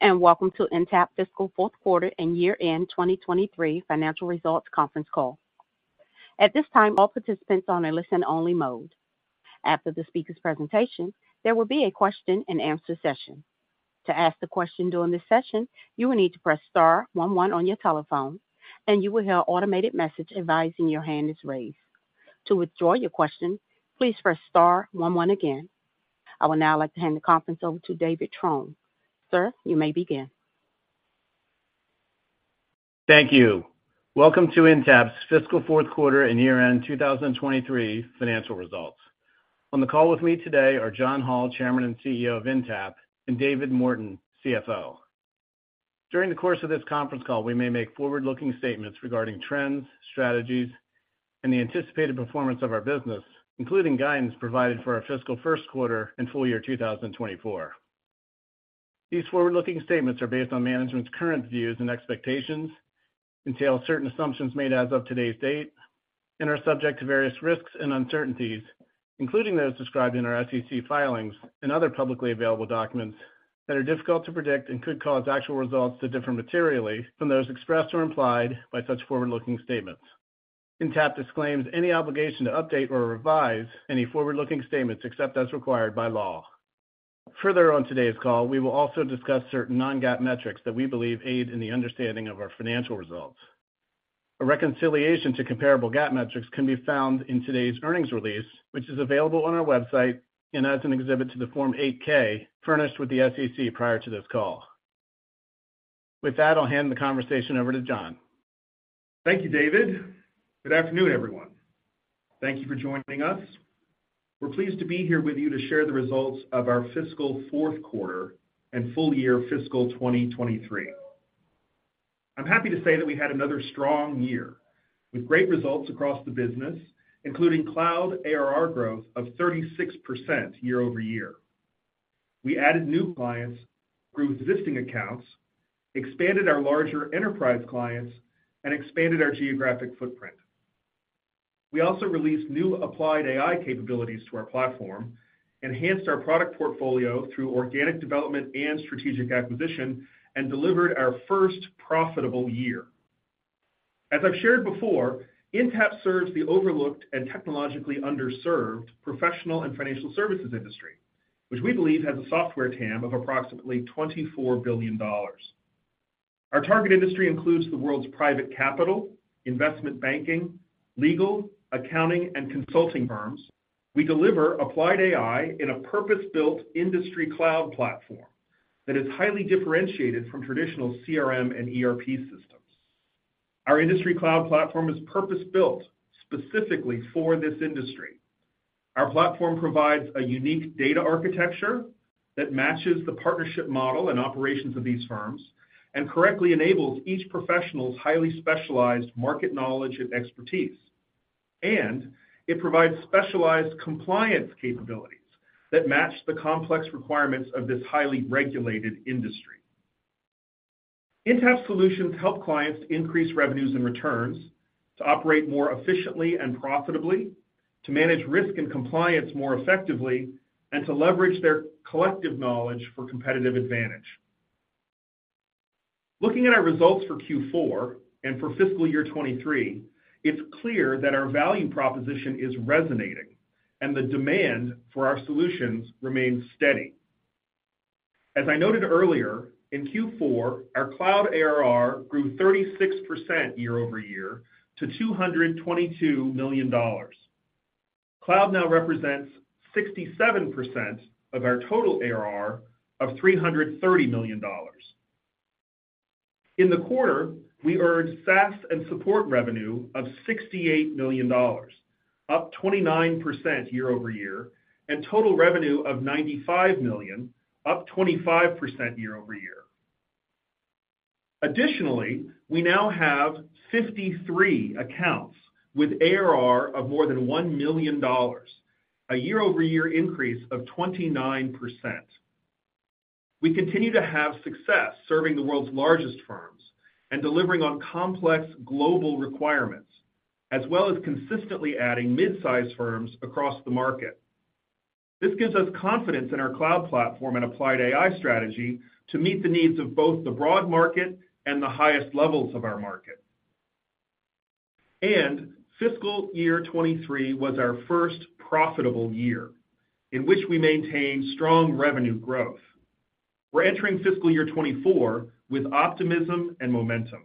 Hello, and welcome to Intapp Fiscal Fourth Quarter and Year End 2023 Financial Results Conference Call. At this time, all participants are on a listen-only mode. After the speaker's presentation, there will be a question-and-answer session. To ask the question during this session, you will need to press star one one on your telephone, and you will hear an automated message advising your hand is raised. To withdraw your question, please press star one one again. I would now like to hand the conference over to David Trone. Sir, you may begin. Thank you. Welcome to Intapp's Fiscal Fourth Quarter and Year End 2023 financial results. On the call with me today are John Hall, Chairman and CEO of Intapp, and David Morton, CFO. During the course of this conference call, we may make forward-looking statements regarding trends, strategies, and the anticipated performance of our business, including guidance provided for our fiscal first quarter and full year 2024. These forward-looking statements are based on management's current views and expectations, entail certain assumptions made as of today's date, and are subject to various risks and uncertainties, including those described in our SEC filings and other publicly available documents that are difficult to predict and could cause actual results to differ materially from those expressed or implied by such forward-looking statements. Intapp disclaims any obligation to update or revise any forward-looking statements except as required by law. Further, on today's call, we will also discuss certain non-GAAP metrics that we believe aid in the understanding of our financial results. A reconciliation to comparable GAAP metrics can be found in today's earnings release, which is available on our website and as an exhibit to the Form 8-K, furnished with the SEC prior to this call. With that, I'll hand the conversation over to John. Thank you, David. Good afternoon, everyone. Thank you for joining us. We're pleased to be here with you to share the results of our fiscal fourth quarter and full year fiscal 2023. I'm happy to say that we had another strong year, with great results across the business, including Cloud ARR growth of 36% year-over-year. We added new clients, grew existing accounts, expanded our larger enterprise clients, and expanded our geographic footprint. We also released new Applied AI capabilities to our platform, enhanced our product portfolio through organic development and strategic acquisition, and delivered our first profitable year. As I've shared before, Intapp serves the overlooked and technologically underserved professional and financial services industry, which we believe has a software TAM of approximately $24 billion. Our target industry includes the world's private capital, investment banking, legal, accounting, and consulting firms. We deliver Applied AI in a purpose-built industry cloud platform that is highly differentiated from traditional CRM and ERP systems. Our industry cloud platform is purpose-built specifically for this industry. Our platform provides a unique data architecture that matches the partnership model and operations of these firms and correctly enables each professional's highly specialized market knowledge and expertise. It provides specialized compliance capabilities that match the complex requirements of this highly regulated industry. Intapp solutions help clients increase revenues and returns, to operate more efficiently and profitably, to manage Risk & Compliance more effectively, and to leverage their collective knowledge for competitive advantage. Looking at our results for Q4 and for fiscal year 2023, it's clear that our value proposition is resonating and the demand for our solutions remains steady. As I noted earlier, in Q4, our cloud ARR grew 36% year-over-year to $222 million. Cloud now represents 67% of our total ARR of $330 million. In the quarter, we earned SaaS and support revenue of $68 million, up 29% year-over-year, and total revenue of $95 million, up 25% year-over-year. Additionally, we now have 53 accounts with ARR of more than $1 million, a year-over-year increase of 29%. We continue to have success serving the world's largest firms and delivering on complex global requirements, as well as consistently adding mid-size firms across the market. This gives us confidence in our cloud platform and Applied AI strategy to meet the needs of both the broad market and the highest levels of our market. Fiscal year 2023 was our first profitable year, in which we maintained strong revenue growth. We're entering fiscal year 2024 with optimism and momentum.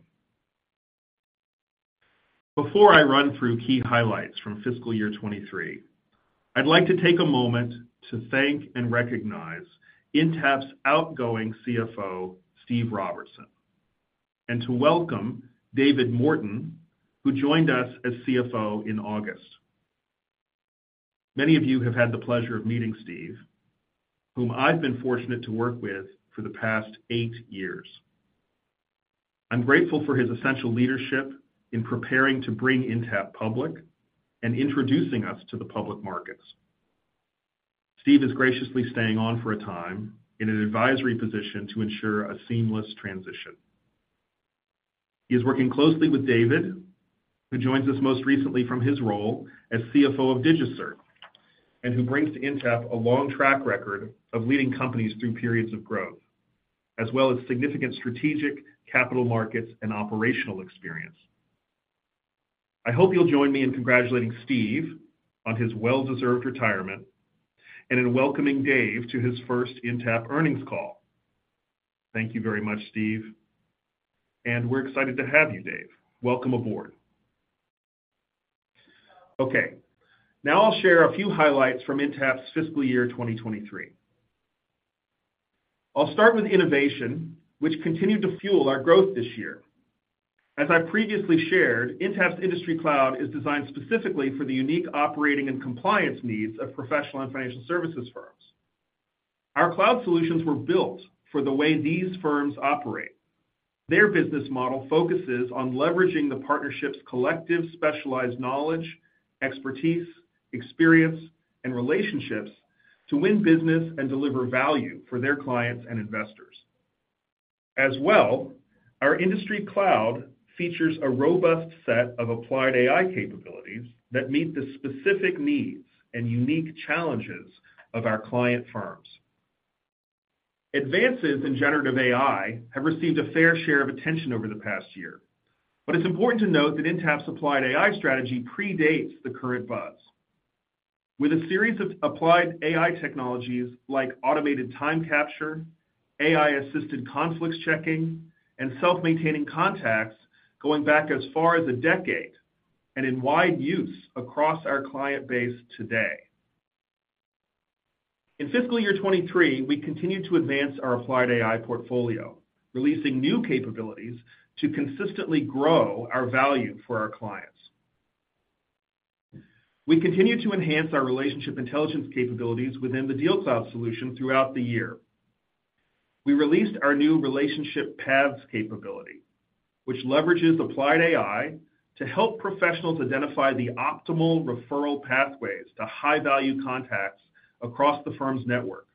Before I run through key highlights from fiscal year 2023, I'd like to take a moment to thank and recognize Intapp's outgoing CFO, Steve Robertson, and to welcome David Morton, who joined us as CFO in August. Many of you have had the pleasure of meeting Steve, whom I've been fortunate to work with for the past eight years. I'm grateful for his essential leadership in preparing to bring Intapp public and introducing us to the public markets. Steve is graciously staying on for a time in an advisory position to ensure a seamless transition... He is working closely with David, who joins us most recently from his role as CFO of DigiCert, and who brings to Intapp a long track record of leading companies through periods of growth, as well as significant strategic, capital markets, and operational experience. I hope you'll join me in congratulating Steve on his well-deserved retirement, and in welcoming Dave to his first Intapp earnings call. Thank you very much, Steve, and we're excited to have you, Dave. Welcome aboard! Okay, now I'll share a few highlights from Intapp's fiscal year 2023. I'll start with innovation, which continued to fuel our growth this year. As I previously shared, Intapp's industry cloud is designed specifically for the unique operating and compliance needs of professional and financial services firms. Our cloud solutions were built for the way these firms operate. Their business model focuses on leveraging the partnership's collective, specialized knowledge, expertise, experience, and relationships to win business and deliver value for their clients and investors. As well, our industry cloud features a robust set of Applied AI capabilities that meet the specific needs and unique challenges of our client firms. Advances in Generative AI have received a fair share of attention over the past year, but it's important to note that Intapp's Applied AI strategy predates the current buzz. With a series of Applied AI technologies like automated time capture, AI-assisted conflicts checking, and self-maintaining contacts going back as far as a decade, and in wide use across our client base today. In fiscal year 2023, we continued to advance our Applied AI portfolio, releasing new capabilities to consistently grow our value for our clients. We continued to enhance our relationship intelligence capabilities within the DealCloud solution throughout the year. We released our new Relationship Paths capability, which leverages Applied AI to help professionals identify the optimal referral pathways to high-value contacts across the firm's network,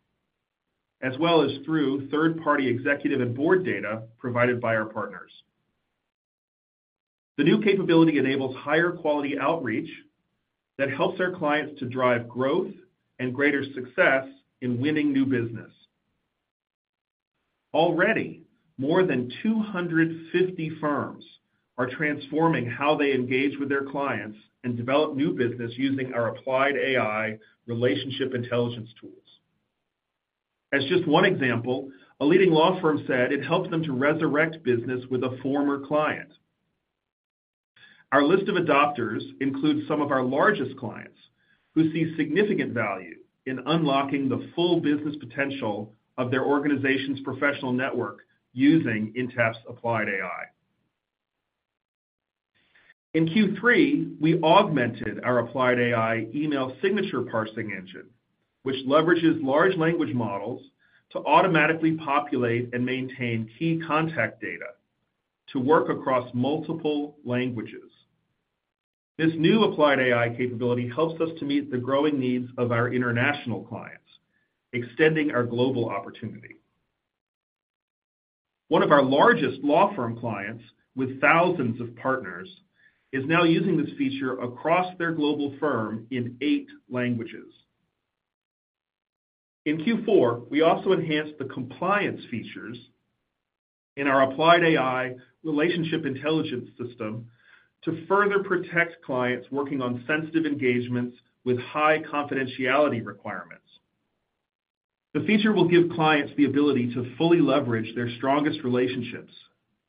as well as through third-party executive and board data provided by our partners. The new capability enables higher quality outreach that helps our clients to drive growth and greater success in winning new business. Already, more than 250 firms are transforming how they engage with their clients and develop new business using our Applied AI relationship intelligence tools. As just one example, a leading law firm said it helped them to resurrect business with a former client. Our list of adopters includes some of our largest clients, who see significant value in unlocking the full business potential of their organization's professional network using Intapp's Applied AI. In Q3, we augmented our Applied AI email signature parsing engine, which leverages large language models to automatically populate and maintain key contact data to work across multiple languages. This new Applied AI capability helps us to meet the growing needs of our international clients, extending our global opportunity. One of our largest law firm clients, with thousands of partners, is now using this feature across their global firm in eight languages. In Q4, we also enhanced the Compliance features in our Applied AI relationship intelligence system to further protect clients working on sensitive engagements with high confidentiality requirements. The feature will give clients the ability to fully leverage their strongest relationships,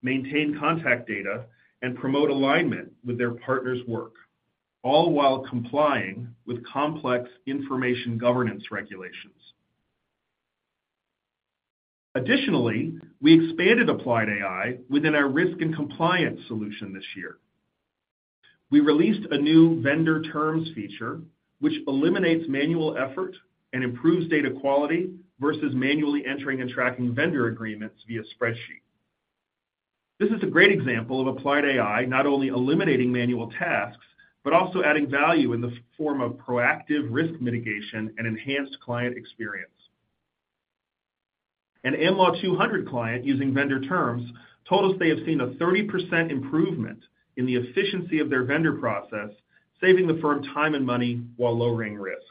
maintain contact data, and promote alignment with their partner's work, all while complying with complex information governance regulations. Additionally, we expanded Applied AI within our Risk & Compliance solution this year. We released a new vendor terms feature, which eliminates manual effort and improves data quality versus manually entering and tracking vendor agreements via spreadsheet. This is a great example of Applied AI, not only eliminating manual tasks, but also adding value in the form of proactive risk mitigation and enhanced client experience. An Am Law 200 client using vendor terms, told us they have seen a 30% improvement in the efficiency of their vendor process, saving the firm time and money while lowering risk.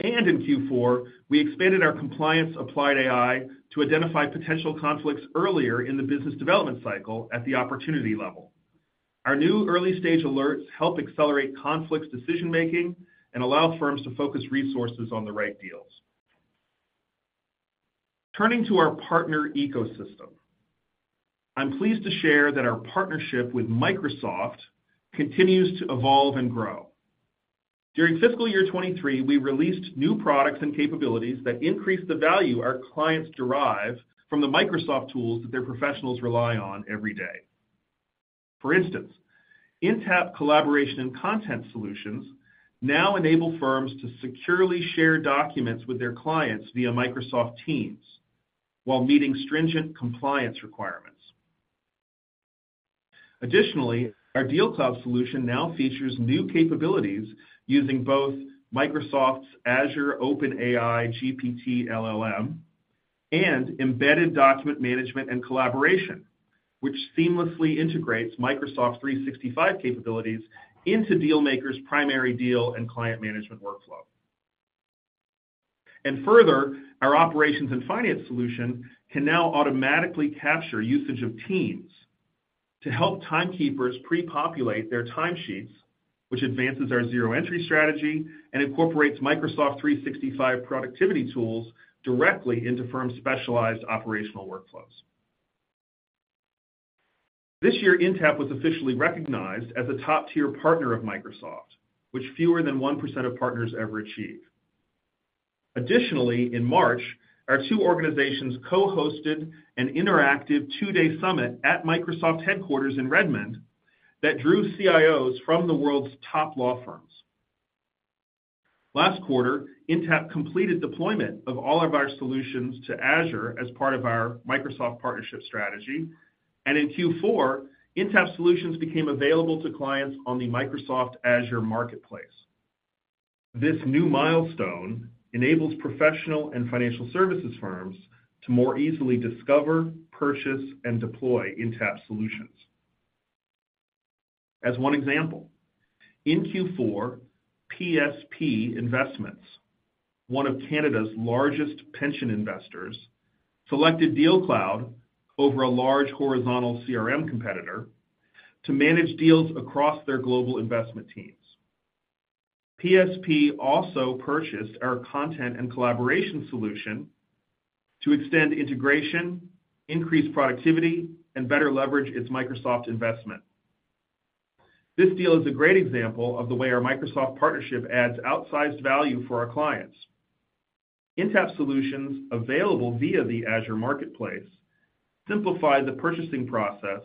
In Q4, we expanded our compliance Applied AI to identify potential conflicts earlier in the business development cycle at the opportunity level. Our new early-stage alerts help accelerate conflicts decision-making and allow firms to focus resources on the right deals. Turning to our partner ecosystem, I'm pleased to share that our partnership with Microsoft continues to evolve and grow. During fiscal year 2023, we released new products and capabilities that increase the value our clients derive from the Microsoft tools that their professionals rely on every day. For instance, Intapp Collaboration & Content solutions now enable firms to securely share documents with their clients via Microsoft Teams, while meeting stringent compliance requirements. Additionally, our DealCloud solution now features new capabilities using both Microsoft's Azure OpenAI GPT LLM and embedded document management and collaboration, which seamlessly integrates Microsoft 365 capabilities into DealCloud's primary deal and client management workflow. And further, our Operations & Finance solution can now automatically capture usage of Teams to help timekeepers pre-populate their timesheets, which advances our zero-entry strategy and incorporates Microsoft 365 productivity tools directly into firm specialized operational workflows. This year, Intapp was officially recognized as a top-tier partner of Microsoft, which fewer than 1% of partners ever achieve. Additionally, in March, our two organizations co-hosted an interactive two-day summit at Microsoft headquarters in Redmond that drew CIOs from the world's top law firms. Last quarter, Intapp completed deployment of all of our solutions to Azure as part of our Microsoft partnership strategy, and in Q4, Intapp solutions became available to clients on the Microsoft Azure Marketplace. This new milestone enables professional and financial services firms to more easily discover, purchase, and deploy Intapp solutions. As one example, in Q4, PSP Investments, one of Canada's largest pension investors, selected DealCloud over a large horizontal CRM competitor to manage deals across their global investment teams. PSP also purchased our content and collaboration solution to extend integration, increase productivity, and better leverage its Microsoft investment. This deal is a great example of the way our Microsoft partnership adds outsized value for our clients. Intapp solutions, available via the Azure Marketplace, simplify the purchasing process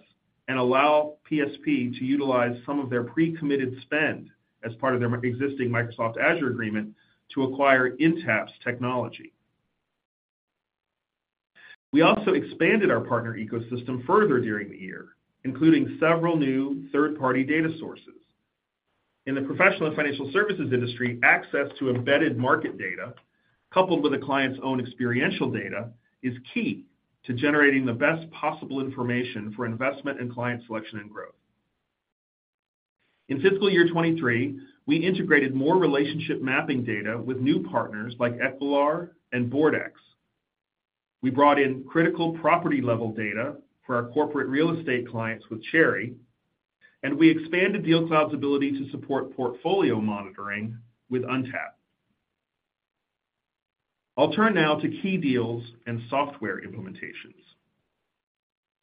and allow PSP to utilize some of their pre-committed spend as part of their existing Microsoft Azure agreement to acquire Intapp's technology. We also expanded our partner ecosystem further during the year, including several new third-party data sources. In the professional and financial services industry, access to embedded market data, coupled with a client's own experiential data, is key to generating the best possible information for investment and client selection and growth. In fiscal year 2023, we integrated more relationship mapping data with new partners like Equilar and BoardEx. We brought in critical property-level data for our corporate real estate clients with Cherre, and we expanded DealCloud's ability to support portfolio monitoring with Untap. I'll turn now to key deals and software implementations.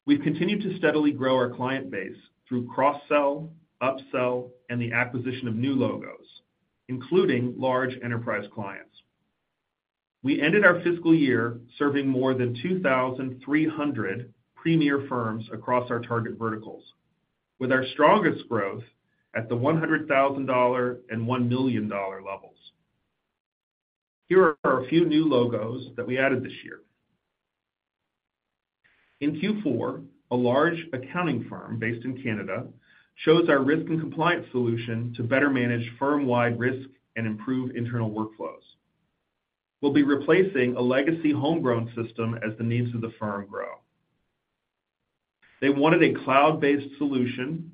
We've continued to steadily grow our client base through cross-sell, upsell, and the acquisition of new logos, including large enterprise clients. We ended our fiscal year serving more than 2,300 premier firms across our target verticals, with our strongest growth at the $100,000 and $1 million levels. Here are a few new logos that we added this year. In Q4, a large accounting firm based in Canada chose our Risk & Compliance solution to better manage firm-wide risk and improve internal workflows. We'll be replacing a legacy homegrown system as the needs of the firm grow. They wanted a cloud-based solution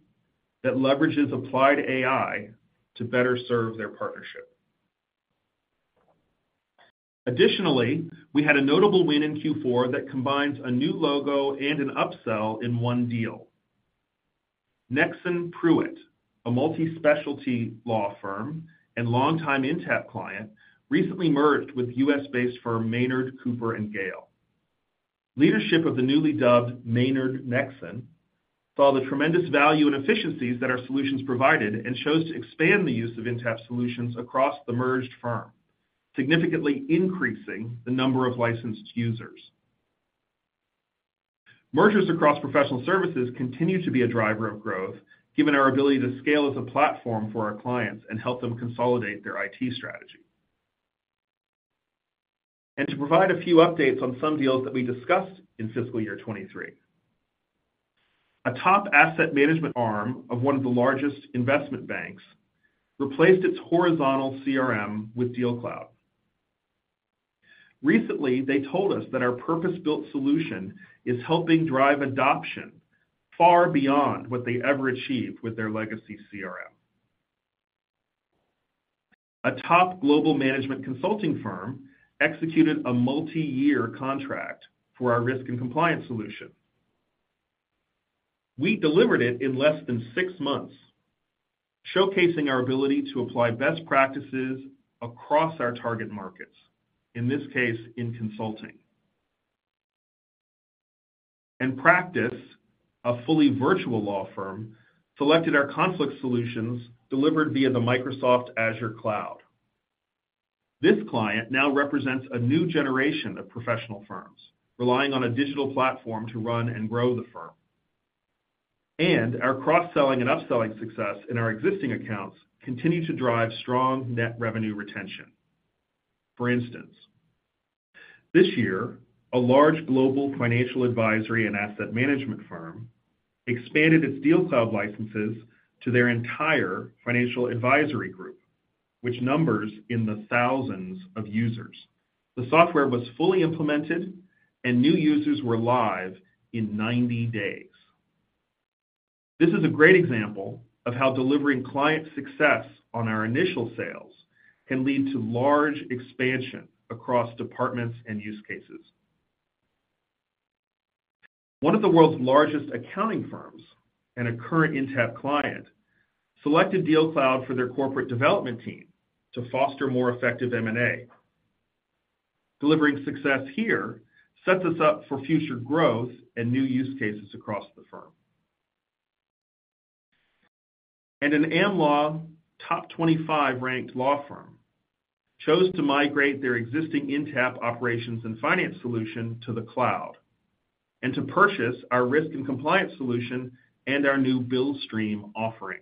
that leverages Applied AI to better serve their partnership. Additionally, we had a notable win in Q4 that combines a new logo and an upsell in one deal. Nexsen Pruet, a multi-specialty law firm and long-time Intapp client, recently merged with U.S.-based firm Maynard Cooper & Gale. Leadership of the newly dubbed Maynard Nexsen saw the tremendous value and efficiencies that our solutions provided and chose to expand the use of Intapp solutions across the merged firm, significantly increasing the number of licensed users. Mergers across professional services continue to be a driver of growth, given our ability to scale as a platform for our clients and help them consolidate their IT strategy. To provide a few updates on some deals that we discussed in fiscal year 2023. A top asset management arm of one of the largest investment banks replaced its horizontal CRM with DealCloud. Recently, they told us that our purpose-built solution is helping drive adoption far beyond what they ever achieved with their legacy CRM. A top global management consulting firm executed a multi-year contract for our Risk & Compliance solution. We delivered it in less than six months, showcasing our ability to apply best practices across our target markets, in this case, in consulting. In practice, a fully virtual law firm selected our conflict solutions delivered via the Microsoft Azure cloud. This client now represents a new generation of professional firms, relying on a digital platform to run and grow the firm. Our cross-selling and upselling success in our existing accounts continue to drive strong net revenue retention. For instance-... This year, a large global financial advisory and asset management firm expanded its DealCloud licenses to their entire financial advisory group, which numbers in the thousands of users. The software was fully implemented, and new users were live in 90 days. This is a great example of how delivering client success on our initial sales can lead to large expansion across departments and use cases. One of the world's largest accounting firms, and a current Intapp client, selected DealCloud for their corporate development team to foster more effective M&A. Delivering success here sets us up for future growth and new use cases across the firm. An Am Law top 25 ranked law firm chose to migrate their existing Intapp Operations & Finance solution to the cloud, and to purchase our Risk & Compliance solution and our new Billstream offering.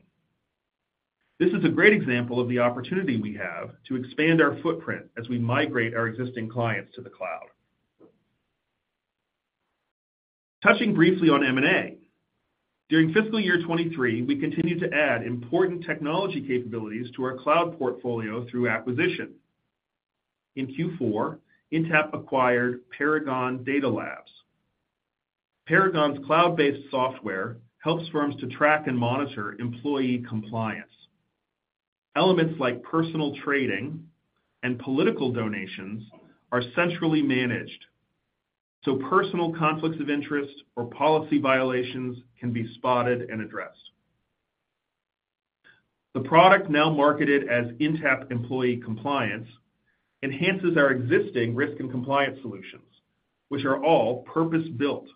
/This is a great example of the opportunity we have to expand our footprint as we migrate our existing clients to the cloud. Touching briefly on M&A. During fiscal year 2023, we continued to add important technology capabilities to our cloud portfolio through acquisition. In Q4, Intapp acquired Paragon Data Labs. Paragon's cloud-based software helps firms to track and monitor Employee Compliance. Elements like personal trading and political donations are centrally managed, so personal conflicts of interest or policy violations can be spotted and addressed. The product, now marketed as Intapp Employee Compliance, enhances our existing Risk & Compliance solutions, which are all purpose-built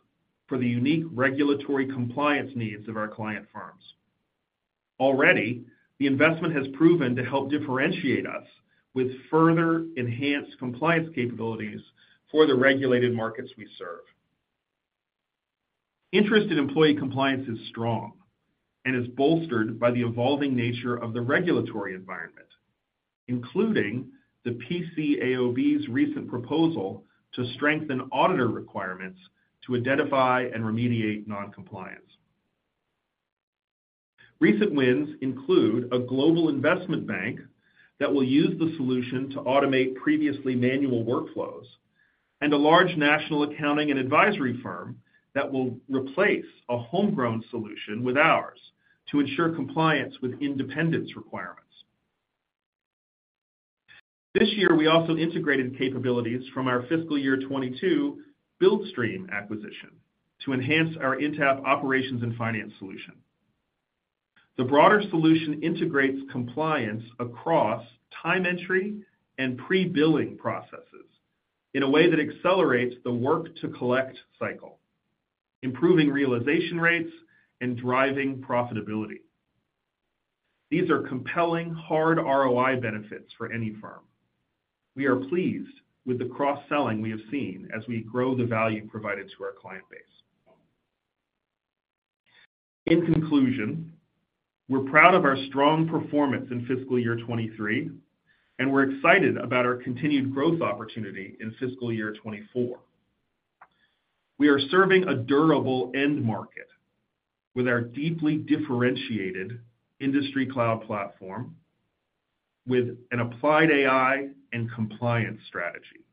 for the unique regulatory compliance needs of our client firms. Already, the investment has proven to help differentiate us with further enhanced compliance capabilities for the regulated markets we serve. Interest in Employee Compliance is strong and is bolstered by the evolving nature of the regulatory environment, including the PCAOB's recent proposal to strengthen auditor requirements to identify and remediate non-compliance. Recent wins include a global investment bank that will use the solution to automate previously manual workflows, and a large national accounting and advisory firm that will replace a homegrown solution with ours to ensure compliance with independence requirements. This year, we also integrated capabilities from our fiscal year 2022 Billstream acquisition to enhance our Intapp Operations & Finance solution. The broader solution integrates compliance across time entry and pre-billing processes in a way that accelerates the work-to-collect cycle, improving realization rates and driving profitability. These are compelling, hard ROI benefits for any firm. We are pleased with the cross-selling we have seen as we grow the value provided to our client base. In conclusion, we're proud of our strong performance in fiscal year 2023, and we're excited about our continued growth opportunity in fiscal year 2024. We are serving a durable end market with our deeply differentiated industry cloud platform, with an Applied AI and compliance strategy.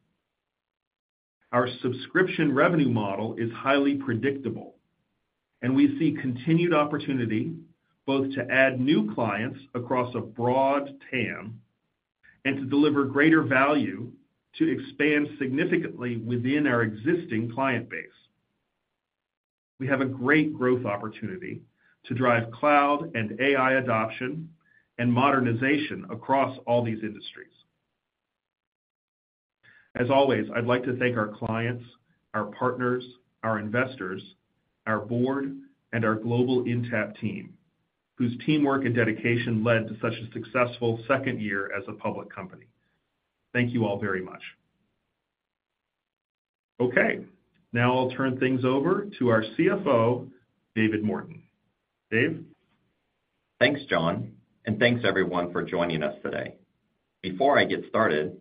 Our subscription revenue model is highly predictable, and we see continued opportunity both to add new clients across a broad TAM, and to deliver greater value to expand significantly within our existing client base. We have a great growth opportunity to drive cloud and AI adoption and modernization across all these industries. As always, I'd like to thank our clients, our partners, our investors, our board, and our global Intapp team, whose teamwork and dedication led to such a successful second year as a public company. Thank you all very much. Okay, now I'll turn things over to our CFO, David Morton. Dave? Thanks, John, and thanks everyone for joining us today. Before I get started,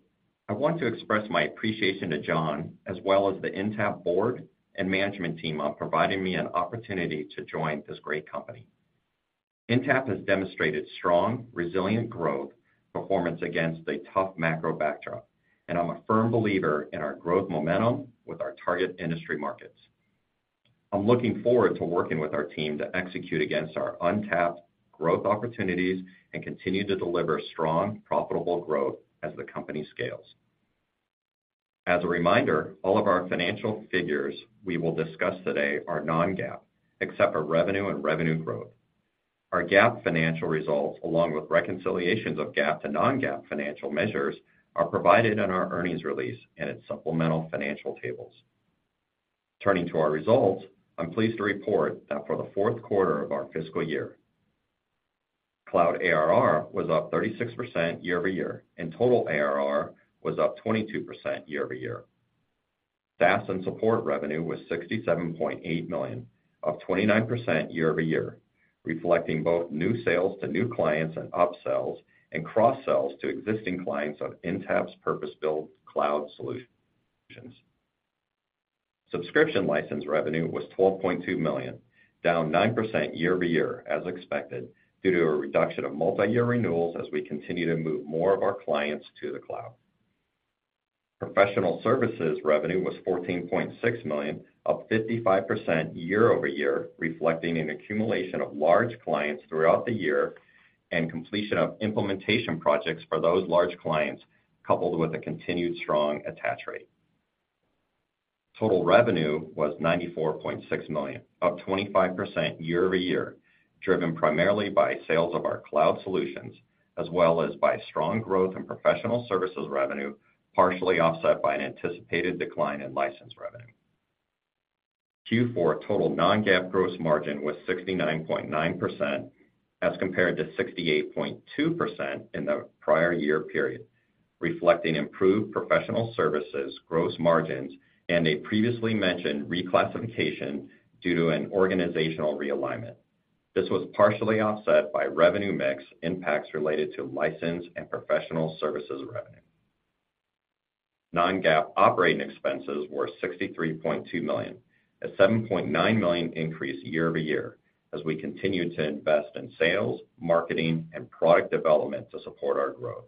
I want to express my appreciation to John, as well as the Intapp board and management team, on providing me an opportunity to join this great company. Intapp has demonstrated strong, resilient growth performance against a tough macro backdrop, and I'm a firm believer in our growth momentum with our target industry markets. I'm looking forward to working with our team to execute against our untapped growth opportunities and continue to deliver strong, profitable growth as the company scales. As a reminder, all of our financial figures we will discuss today are non-GAAP, except for revenue and revenue growth. Our GAAP financial results, along with reconciliations of GAAP to non-GAAP financial measures, are provided in our earnings release and its supplemental financial tables. Turning to our results, I'm pleased to report that for the fourth quarter of our fiscal year, cloud ARR was up 36% year-over-year, and total ARR was up 22% year-over-year. SaaS and support revenue was $67.8 million, up 29% year-over-year, reflecting both new sales to new clients and upsells, and cross-sells to existing clients on Intapp's purpose-built cloud solutions. Subscription license revenue was $12.2 million, down 9% year-over-year, as expected, due to a reduction of multi-year renewals as we continue to move more of our clients to the cloud. Professional services revenue was $14.6 million, up 55% year-over-year, reflecting an accumulation of large clients throughout the year and completion of implementation projects for those large clients, coupled with a continued strong attach rate. Total revenue was $94.6 million, up 25% year-over-year, driven primarily by sales of our cloud solutions, as well as by strong growth in professional services revenue, partially offset by an anticipated decline in license revenue. Q4 total non-GAAP gross margin was 69.9%, as compared to 68.2% in the prior year period, reflecting improved professional services gross margins, and a previously mentioned reclassification due to an organizational realignment. This was partially offset by revenue mix impacts related to license and professional services revenue. Non-GAAP operating expenses were $63.2 million, a $7.9 million increase year-over-year, as we continued to invest in sales, marketing, and product development to support our growth.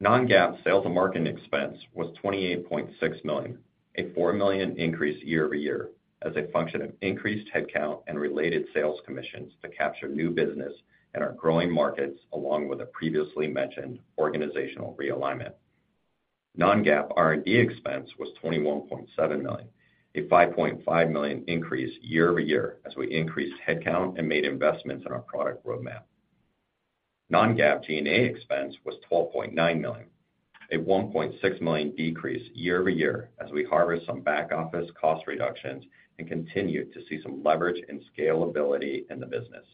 Non-GAAP sales and marketing expense was $28.6 million, a $4 million increase year-over-year, as a function of increased headcount and related sales commissions to capture new business in our growing markets, along with a previously mentioned organizational realignment. Non-GAAP R&D expense was $21.7 million, a $5.5 million increase year-over-year, as we increased headcount and made investments in our product roadmap. Non-GAAP G&A expense was $12.9 million, a $1.6 million decrease year-over-year, as we harvest some back-office cost reductions and continued to see some leverage and scalability in the business.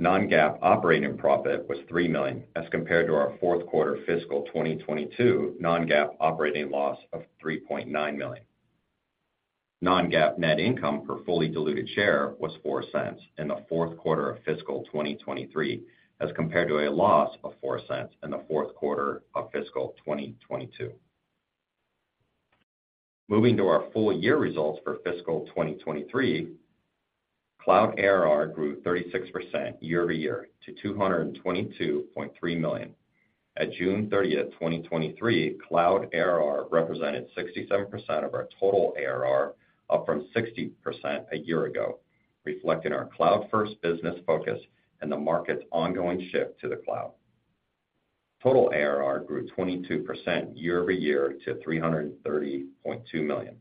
Non-GAAP operating profit was $3 million, as compared to our fourth quarter fiscal 2022 non-GAAP operating loss of $3.9 million. Non-GAAP net income per fully diluted share was $0.04 in the fourth quarter of fiscal 2023, as compared to a loss of $0.04 in the fourth quarter of fiscal 2022. Moving to our full year results for fiscal 2023, cloud ARR grew 36% year-over-year to $222.3 million. At June 30th, 2023, cloud ARR represented 67% of our total ARR, up from 60% a year ago, reflecting our cloud-first business focus and the market's ongoing shift to the cloud. Total ARR grew 22% year-over-year to $330.2 million.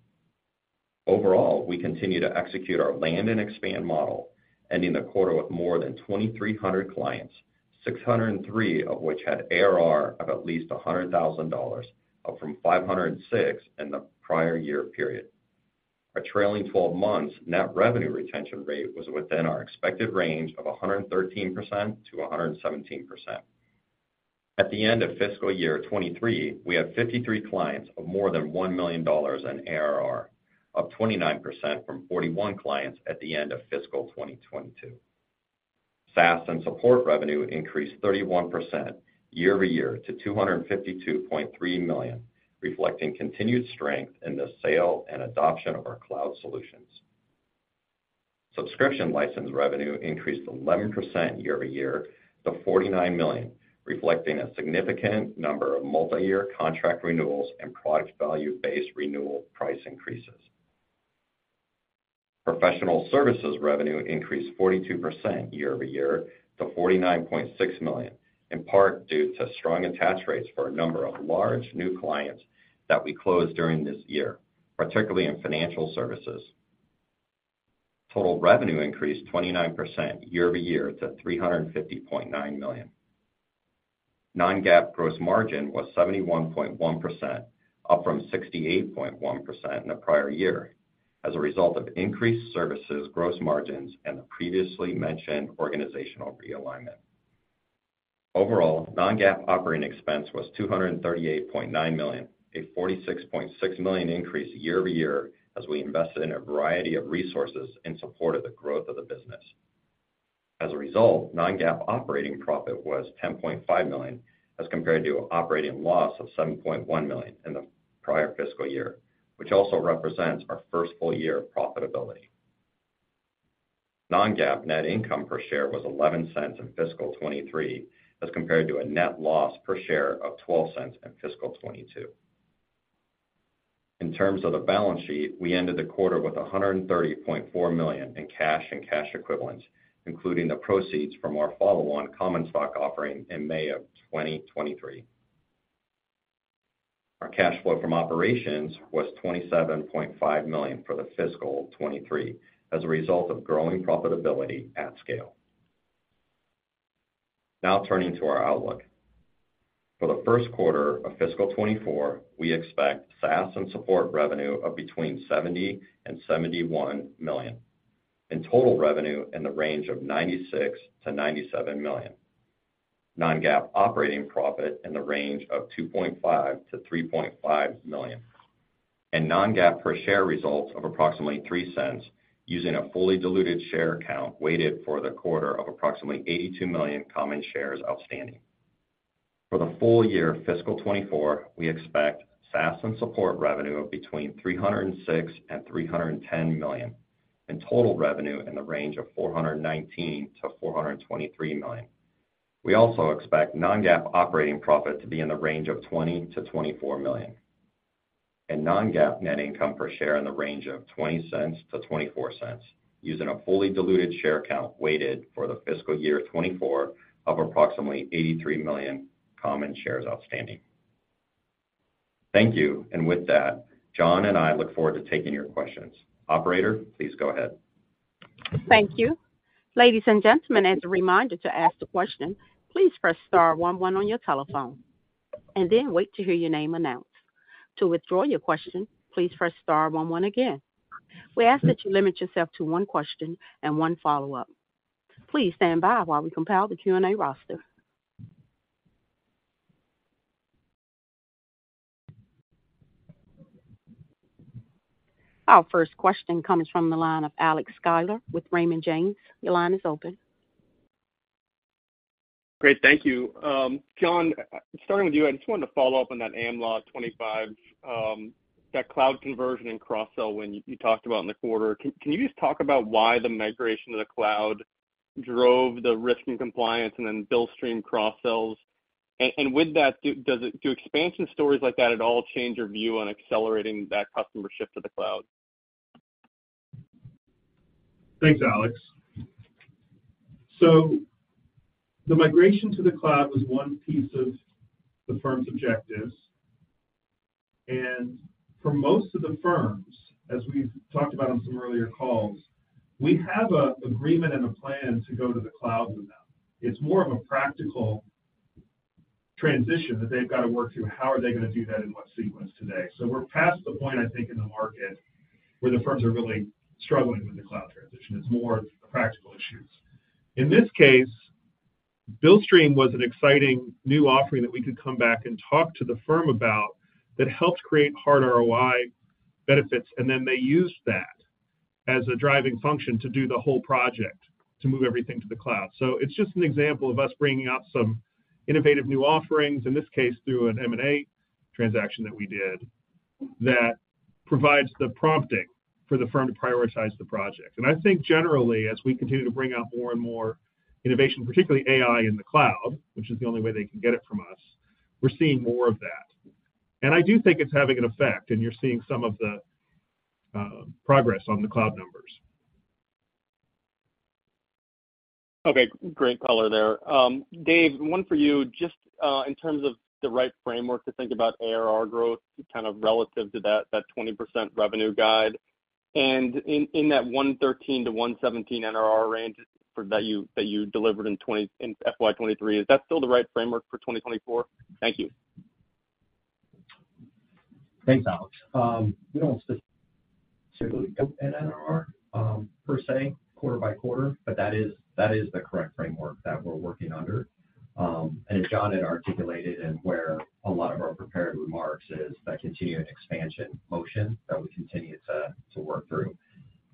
Overall, we continue to execute our land and expand model, ending the quarter with more than 2,300 clients, 603 of which had ARR of at least $100,000, up from 506 in the prior year period. Our trailing twelve months net revenue retention rate was within our expected range of 113%-117%. At the end of fiscal year 2023, we had 53 clients of more than $1 million in ARR, up 29% from 41 clients at the end of fiscal 2022. SaaS and support revenue increased 31% year-over-year to $252.3 million, reflecting continued strength in the sale and adoption of our cloud solutions. Subscription license revenue increased 11% year-over-year to $49 million, reflecting a significant number of multi-year contract renewals and product value-based renewal price increases. Professional services revenue increased 42% year-over-year to $49.6 million, in part due to strong attach rates for a number of large new clients that we closed during this year, particularly in financial services. Total revenue increased 29% year-over-year to $350.9 million. Non-GAAP gross margin was 71.1%, up from 68.1% in the prior year, as a result of increased services gross margins and the previously mentioned organizational realignment. Overall, non-GAAP operating expense was $238.9 million, a $46.6 million increase year-over-year, as we invested in a variety of resources in support of the growth of the business. As a result, non-GAAP operating profit was $10.5 million, as compared to operating loss of $7.1 million in the prior fiscal year, which also represents our first full year of profitability. Non-GAAP net income per share was $0.11 in fiscal 2023, as compared to a net loss per share of $0.12 in fiscal 2022. In terms of the balance sheet, we ended the quarter with $130.4 million in cash and cash equivalents, including the proceeds from our follow-on common stock offering in May 2023. Our cash flow from operations was $27.5 million for fiscal 2023, as a result of growing profitability at scale. Now turning to our outlook. For the first quarter of fiscal 2024, we expect SaaS and support revenue of between $70 million-$71 million, and total revenue in the range of $96 million-$97 million. Non-GAAP operating profit in the range of $2.5 million-$3.5 million, and non-GAAP per share results of approximately $0.03, using a fully diluted share count weighted for the quarter of approximately 82 million common shares outstanding. For the full year, fiscal 2024, we expect SaaS and support revenue of between $306 million and $310 million, and total revenue in the range of $419 million-$423 million. We also expect non-GAAP operating profit to be in the range of $20 million-$24 million, and non-GAAP net income per share in the range of $0.20-$0.24, using a fully diluted share count weighted for the fiscal year 2024 of approximately 83 million common shares outstanding. Thank you, and with that, John and I look forward to taking your questions. Operator, please go ahead. Thank you. Ladies and gentlemen, as a reminder to ask the question, please press star one one on your telephone and then wait to hear your name announced. To withdraw your question, please press star one one again. We ask that you limit yourself to one question and one follow-up. Please stand by while we compile the Q&A roster. Our first question comes from the line of Alex Sklar with Raymond James. Your line is open. Great. Thank you. John, starting with you, I just wanted to follow up on that Am Law 25, that cloud conversion and cross-sell win you talked about in the quarter. Can you just talk about why the migration to the cloud drove the Risk & Compliance and then Billstream cross-sells? And with that, do expansion stories like that at all change your view on accelerating that customer shift to the cloud? Thanks, Alex. So the migration to the cloud was one piece of the firm's objectives, and for most of the firms, as we've talked about on some earlier calls, we have an agreement and a plan to go to the cloud with them. It's more of a practical transition that they've got to work through. How are they going to do that, and what sequence today? So we're past the point, I think, in the market, where the firms are really struggling with the cloud transition. It's more of the practical issues. In this case, Billstream was an exciting new offering that we could come back and talk to the firm about that helped create hard ROI benefits, and then they used that as a driving function to do the whole project, to move everything to the cloud. So it's just an example of us bringing out some innovative new offerings, in this case, through an M&A transaction that we did, that provides the prompting for the firm to prioritize the project. And I think generally, as we continue to bring out more and more innovation, particularly AI in the cloud, which is the only way they can get it from us, we're seeing more of that. And I do think it's having an effect, and you're seeing some of the progress on the cloud numbers. Okay, great color there. Dave, one for you. Just in terms of the right framework to think about ARR growth, kind of relative to that 20% revenue guide, and in that 113-117 NRR range that you delivered in FY 2023, is that still the right framework for 2024? Thank you. Thanks, Alex. We don't specifically NRR, per se, quarter by quarter, but that is the correct framework that we're working under. And as John had articulated, and where a lot of our prepared remarks is that continuing expansion motion that we continue to work through.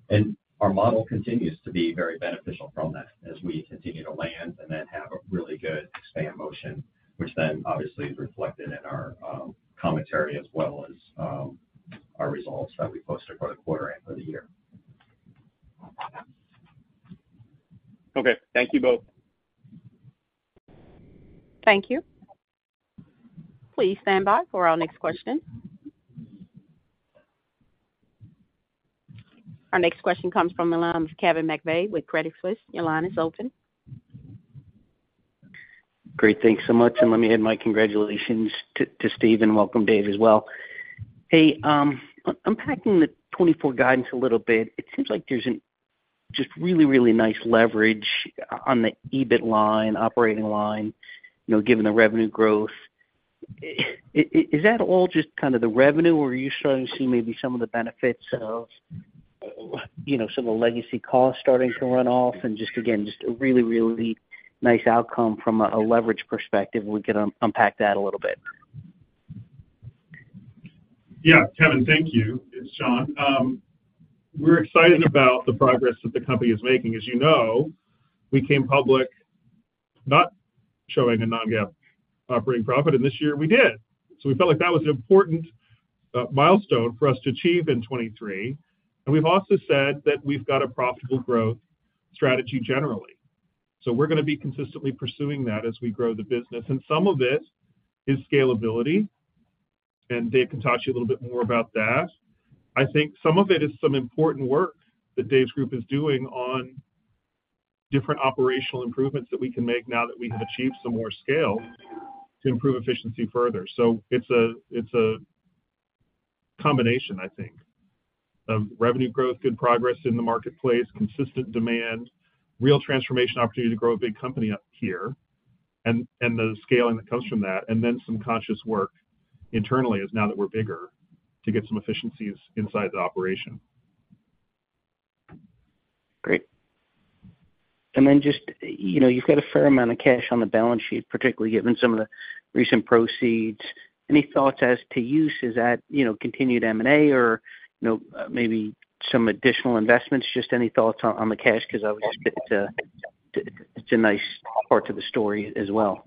And our model continues to be very beneficial from that as we continue to land and then have a really good expand motion, which then obviously is reflected in our commentary as well as our results that we post for the quarter end of the year. Okay. Thank you both. Thank you. Please stand by for our next question. Our next question comes from the line of Kevin McVeigh with Credit Suisse. Your line is open. Great. Thanks so much, and let me add my congratulations to Steve, and welcome, Dave, as well. Hey, unpacking the 2024 guidance a little bit, it seems like there's just really, really nice leverage on the EBIT line, operating line, you know, given the revenue growth. Is that all just kind of the revenue, or are you starting to see maybe some of the benefits of, you know, some of the legacy costs starting to run off? And just, again, just a really, really nice outcome from a leverage perspective, we can unpack that a little bit. Yeah, Kevin, thank you. It's John. We're excited about the progress that the company is making. As you know, we came public not showing a non-GAAP operating profit, and this year we did. So we felt like that was an important milestone for us to achieve in 2023. And we've also said that we've got a profitable growth strategy generally. So we're gonna be consistently pursuing that as we grow the business, and some of it is scalability, and Dave can talk to you a little bit more about that. I think some of it is some important work that Dave's group is doing on different operational improvements that we can make now that we have achieved some more scale, to improve efficiency further. So it's a, it's a combination, I think, of revenue growth, good progress in the marketplace, consistent demand, real transformation opportunity to grow a big company up here, and the scaling that comes from that, and then some conscious work internally, now that we're bigger, to get some efficiencies inside the operation.... Great. And then just, you know, you've got a fair amount of cash on the balance sheet, particularly given some of the recent proceeds. Any thoughts as to use? Is that, you know, continued M&A or, you know, maybe some additional investments? Just any thoughts on the cash, because I would just think it's a nice part to the story as well.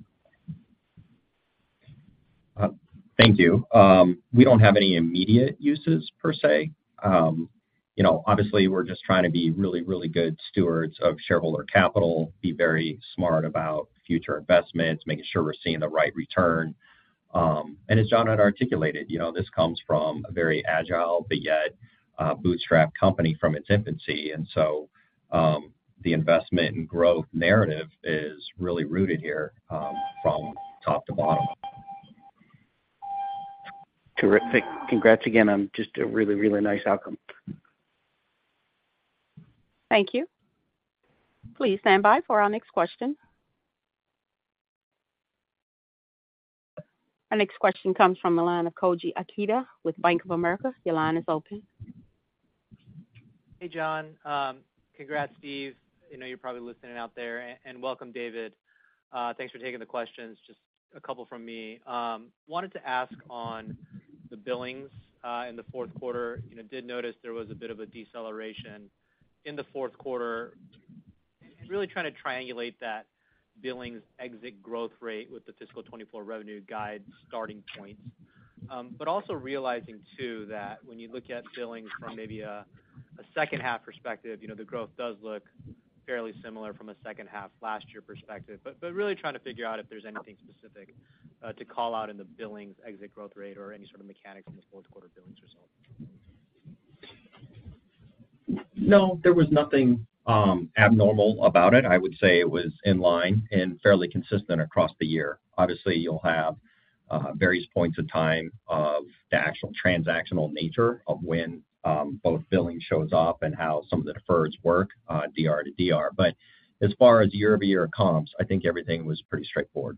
Thank you. We don't have any immediate uses per se. You know, obviously, we're just trying to be really, really good stewards of shareholder capital, be very smart about future investments, making sure we're seeing the right return. And as John had articulated, you know, this comes from a very agile but yet, bootstrap company from its infancy. And so, the investment and growth narrative is really rooted here, from top to bottom. Terrific. Congrats again on just a really, really nice outcome. Thank you. Please stand by for our next question. Our next question comes from the line of Koji Ikeda with Bank of America. Your line is open. Hey, John. Congrats, Steve. I know you're probably listening out there, and welcome, David. Thanks for taking the questions. Just a couple from me. Wanted to ask on the billings in the fourth quarter. You know, did notice there was a bit of a deceleration in the fourth quarter. Really trying to triangulate that billings exit growth rate with the fiscal 2024 revenue guide starting points. But also realizing, too, that when you look at billings from maybe a second half perspective, you know, the growth does look fairly similar from a second half last year perspective. But really trying to figure out if there's anything specific to call out in the billings exit growth rate or any sort of mechanics on the fourth quarter billings result. No, there was nothing abnormal about it. I would say it was in line and fairly consistent across the year. Obviously, you'll have various points of time of the actual transactional nature of when both billing shows up and how some of the deferreds work on DR to DR. But as far as year-over-year comps, I think everything was pretty straightforward.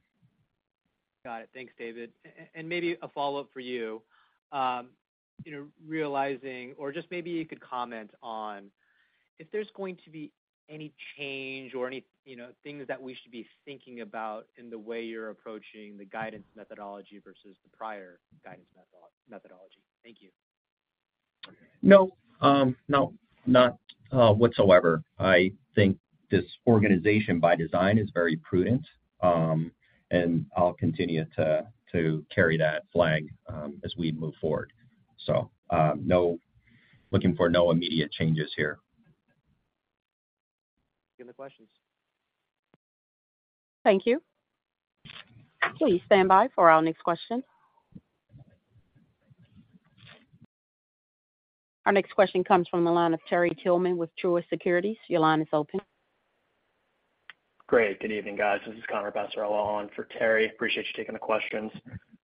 Got it. Thanks, David. And maybe a follow-up for you. You know, realizing or just maybe you could comment on if there's going to be any change or any, you know, things that we should be thinking about in the way you're approaching the guidance methodology versus the prior guidance methodology. Thank you. No, no, not whatsoever. I think this organization by design is very prudent, and I'll continue to carry that flag as we move forward. So, no, looking for no immediate changes here. Any other questions? Thank you. Please stand by for our next question. Our next question comes from the line of Terry Tillman with Truist Securities. Your line is open. Great. Good evening, guys. This is Connor Passarella on for Terry. Appreciate you taking the questions.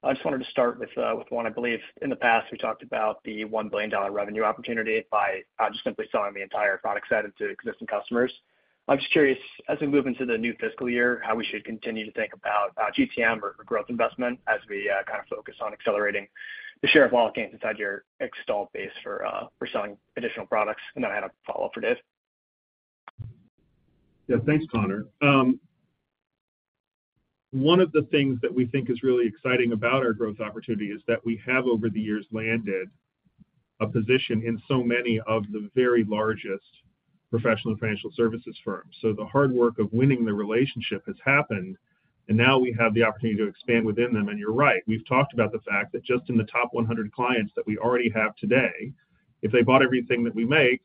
I just wanted to start with, with one. I believe in the past, we talked about the $1 billion revenue opportunity by, just simply selling the entire product set into existing customers. I'm just curious, as we move into the new fiscal year, how we should continue to think about, GTM or growth investment as we, kind of focus on accelerating the share of wallet gains inside your installed base for, selling additional products. And then I had a follow-up for Dave. Yeah, thanks, Connor. One of the things that we think is really exciting about our growth opportunity is that we have, over the years, landed a position in so many of the very largest professional and financial services firms. So the hard work of winning the relationship has happened, and now we have the opportunity to expand within them. And you're right, we've talked about the fact that just in the top 100 clients that we already have today, if they bought everything that we make,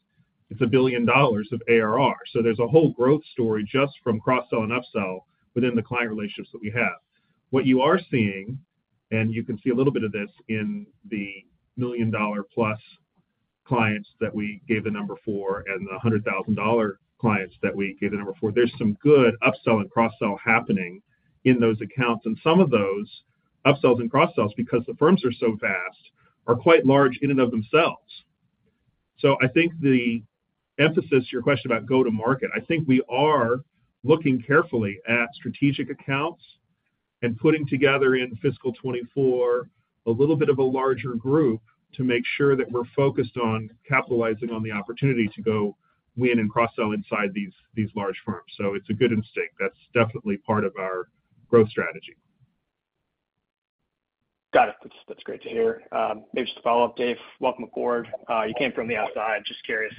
it's $1 billion of ARR. So there's a whole growth story just from cross-sell and upsell within the client relationships that we have. What you are seeing, and you can see a little bit of this in the $1 million-plus clients that we gave the number for, and the $100,000 clients that we gave the number for, there's some good upsell and cross-sell happening in those accounts. And some of those upsells and cross-sells, because the firms are so vast, are quite large in and of themselves. So I think the emphasis, your question about go-to-market, I think we are looking carefully at strategic accounts and putting together in fiscal 2024, a little bit of a larger group to make sure that we're focused on capitalizing on the opportunity to go win and cross-sell inside these large firms. So it's a good instinct. That's definitely part of our growth strategy. Got it. That's, that's great to hear. Maybe just to follow up, Dave, welcome aboard. You came from the outside. Just curious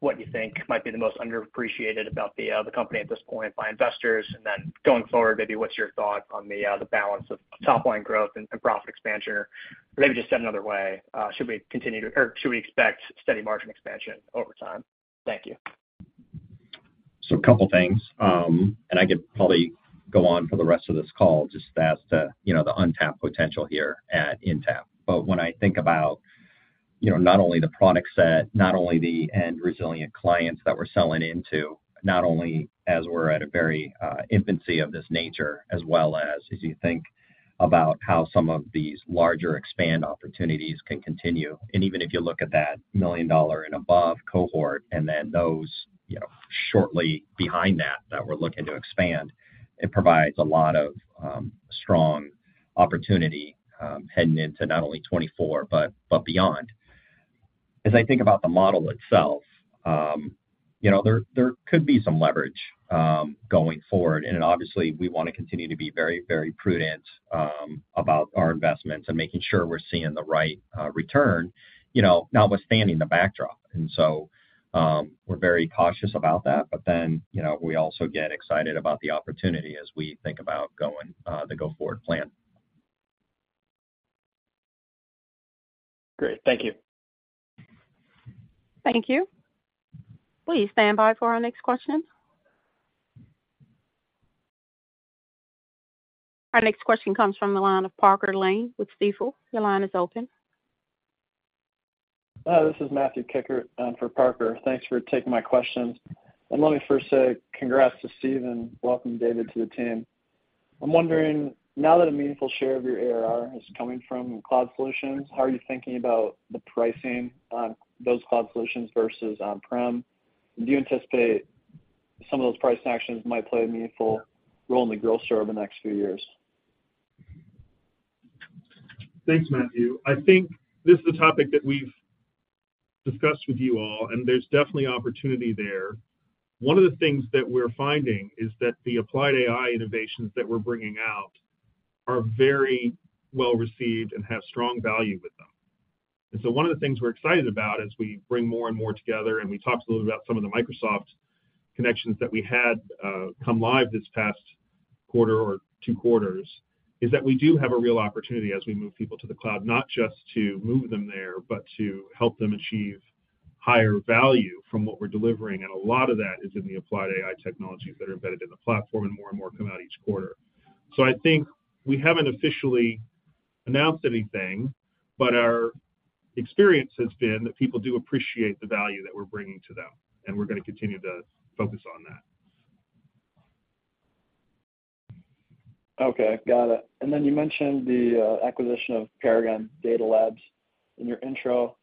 what you think might be the most underappreciated about the company at this point by investors. Then going forward, maybe what's your thought on the balance of top-line growth and profit expansion? Or maybe just said another way, should we continue to or should we expect steady margin expansion over time? Thank you. So a couple of things, and I could probably go on for the rest of this call, just as to, you know, the untapped potential here at Intapp. But when I think about, you know, not only the product set, not only the incredibly resilient clients that we're selling into, not only as we're at a very infancy of this nature, as well as you think about how some of these larger expansion opportunities can continue. And even if you look at that million-dollar and above cohort, and then those, you know, shortly behind that, that we're looking to expand, it provides a lot of strong opportunity heading into not only 2024, but beyond. As I think about the model itself, you know, there could be some leverage going forward. And then obviously, we want to continue to be very, very prudent about our investments and making sure we're seeing the right return, you know, notwithstanding the backdrop. And so, we're very cautious about that, but then, you know, we also get excited about the opportunity as we think about going the go-forward plan. Great. Thank you. Thank you. Please stand by for our next question. Our next question comes from the line of Parker Lane with Stifel. Your line is open. Hi, this is Matthew Kikkert for Parker Lane. Thanks for taking my questions. And let me first say congrats to Steve, and welcome, David, to the team. I'm wondering, now that a meaningful share of your ARR is coming from cloud solutions, how are you thinking about the pricing on those cloud solutions versus on-prem? Do you anticipate some of those price actions might play a meaningful role in the growth share over the next few years? Thanks, Matthew. I think this is a topic that we've discussed with you all, and there's definitely opportunity there. One of the things that we're finding is that the Applied AI innovations that we're bringing out are very well received and have strong value with them. And so one of the things we're excited about as we bring more and more together, and we talked a little bit about some of the Microsoft connections that we had, come live this past quarter or two quarters, is that we do have a real opportunity as we move people to the cloud, not just to move them there, but to help them achieve higher value from what we're delivering. And a lot of that is in the Applied AI technologies that are embedded in the platform, and more and more come out each quarter. I think we haven't officially announced anything, but our experience has been that people do appreciate the value that we're bringing to them, and we're going to continue to focus on that. Okay, got it. And then you mentioned the acquisition of Paragon Data Labs in your intro.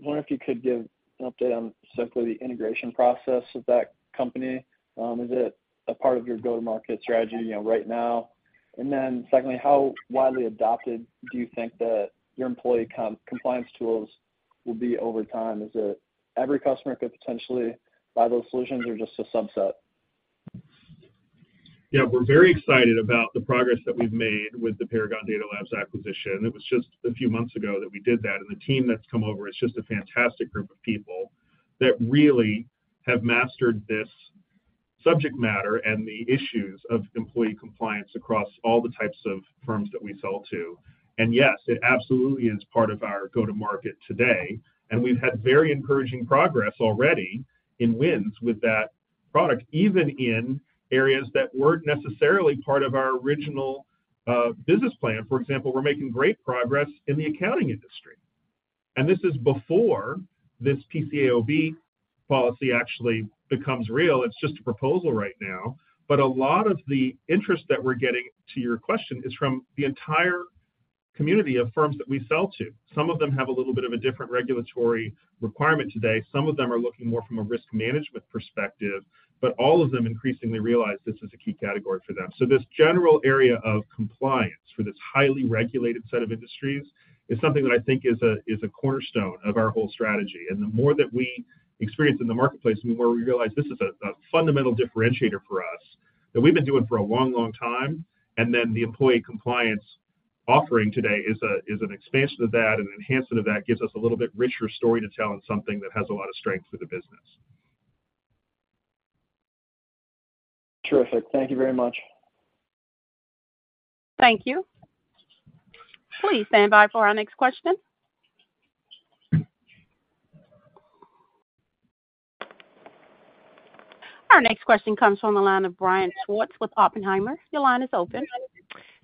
I wonder if you could give an update on simply the integration process of that company. Is it a part of your go-to-market strategy, you know, right now? And then secondly, how widely adopted do you think that your Employee Compliance tools will be over time? Is it every customer could potentially buy those solutions or just a subset? Yeah, we're very excited about the progress that we've made with the Paragon Data Labs acquisition. It was just a few months ago that we did that, and the team that's come over is just a fantastic group of people that really have mastered this subject matter and the issues of Employee Compliance across all the types of firms that we sell to. Yes, it absolutely is part of our go-to-market today, and we've had very encouraging progress already in wins with that product, even in areas that weren't necessarily part of our original, business plan. For example, we're making great progress in the accounting industry. This is before this PCAOB policy actually becomes real. It's just a proposal right now, but a lot of the interest that we're getting, to your question, is from the entire community of firms that we sell to. Some of them have a little bit of a different regulatory requirement today. Some of them are looking more from a risk management perspective, but all of them increasingly realize this is a key category for them. So this general area of compliance for this highly regulated set of industries is something that I think is a cornerstone of our whole strategy. And the more that we experience in the marketplace, and the more we realize this is a fundamental differentiator for us, that we've been doing for a long, long time, and then the Employee Compliance offering today is an expansion of that and enhancement of that gives us a little bit richer story to tell and something that has a lot of strength for the business. Terrific. Thank you very much. Thank you. Please stand by for our next question. Our next question comes from the line of Brian Schwartz with Oppenheimer. Your line is open.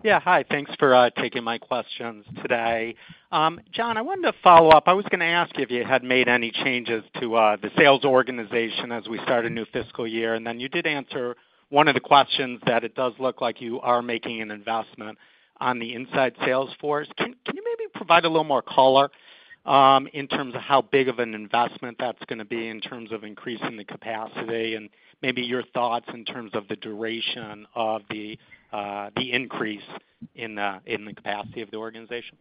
Yeah, hi. Thanks for taking my questions today. John, I wanted to follow up. I was going to ask you if you had made any changes to the sales organization as we start a new fiscal year, and then you did answer one of the questions that it does look like you are making an investment on the inside sales force. Can you maybe provide a little more color in terms of how big of an investment that's going to be in terms of increasing the capacity, and maybe your thoughts in terms of the duration of the increase in the capacity of the organization?